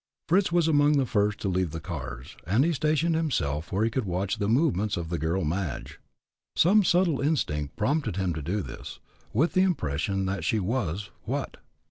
Fritz was among the first to leave the cars, and he stationed himself where he could watch the movements of the girl, Madge. Some subtle instinct prompted him to do this, with the impression that she was what?